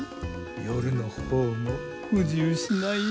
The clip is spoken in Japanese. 夜の方も不自由しないよ。